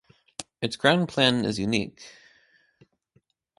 Its ground plan is unique.